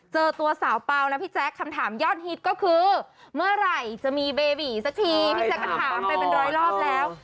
เจอตัวสาวเปล่านะพี่แจ๊คคำถามยอดฮิตก็คือเมื่อไหร่จะมีเบบีสักทีพี่แจ๊กก็ถามไปเป็นร้อยรอบแล้ว